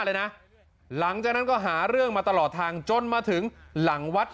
เลยนะหลังจากนั้นก็หาเรื่องมาตลอดทางจนมาถึงหลังวัด